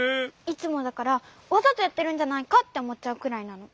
いつもだからわざとやってるんじゃないかっておもっちゃうくらいなの。